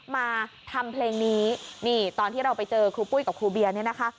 มาทำเพลงนี้นี่ตอนที่เราไปเจอครูปุ้ยกับครูเบียร์เนี่ยนะคะ